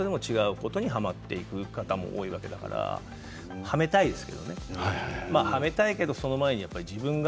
でもそのはまらない人も違うことに、はまっていく方も多いわけだからはめたいですけれどね。